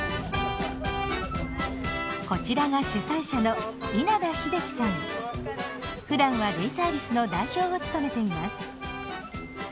こちらが主催者のふだんはデイサービスの代表を務めています。